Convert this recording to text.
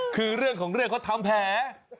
คือเรื่องของเรื่องเขาทำแผล